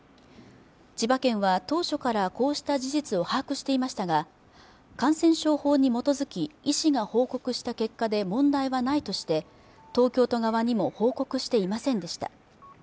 千葉県は当初からこうした事実を把握していましたが感染症法に基づき医師が報告した結果で問題はないとして東京都側にも報告していませんでした